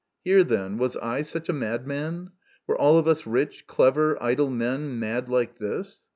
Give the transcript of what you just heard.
Here, then, was I such a madman ? Were all of us rich, clever, idle men mad like this